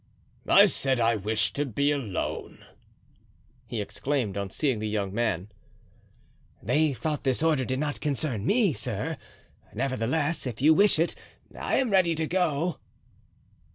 "I said I wished to be alone," he exclaimed, on seeing the young man. "They thought this order did not concern me, sir; nevertheless, if you wish it, I am ready to go."